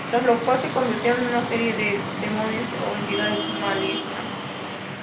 Tras lo cual se convirtieron en una serie de demonios o entidades malignas.